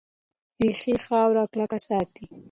ریښې خاوره کلکه ساتي.